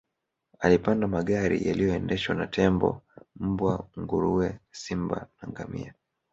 Alipanda magari yaliyoendeshwa na tembo mbwa nguruwe simba na ngamia